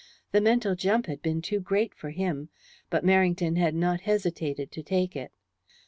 The mental jump had been too great for him, but Merrington had not hesitated to take it.